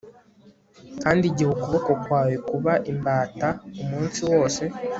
Kandi igihe ukuboko kwawe kuba imbata umunsi wose